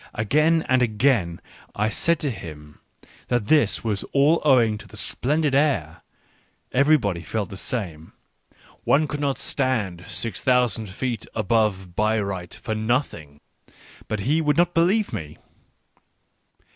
Again and again I said to him that this was all owing to the splendid air; everybody felt the same, — one could not stand 6000 feet above Bayreuth for nothing, — but he would not believe me.